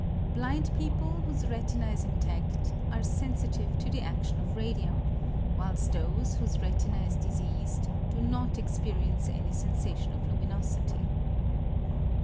Blind people whose retina is intad are sensitive to the adion of radium, whilst those whose retina is diseased do not experience any sensation of luminosity.